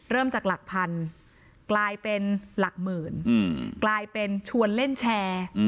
เริ่มจากหลักพันกลายเป็นหลักหมื่นกลายเป็นชวนเล่นแชร์